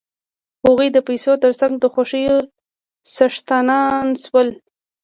هغوی د پیسو تر څنګ د خوښیو څښتنان شول